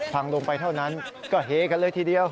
พังลงไปเท่านั้นก็เฮกันเลยทีเดียว